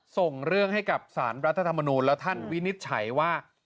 ส่งเรื่องให้กับสารรัฐธรรมนูลและท่านวินิจฉัยว่า